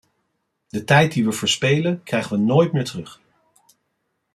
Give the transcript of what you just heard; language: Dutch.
De tijd die we verspelen, krijgen we nooit meer terug.